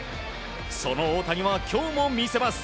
その大谷は今日も魅せます。